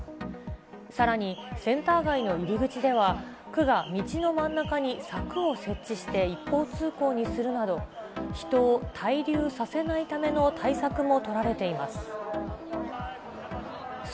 さらに、センター街の入り口では、区が道の真ん中に柵を設置して一方通行にするなど、人を滞留させないための対策も取られています。